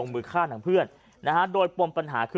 ชาวบ้านญาติโปรดแค้นไปดูภาพบรรยากาศขณะ